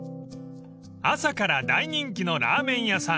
［朝から大人気のラーメン屋さん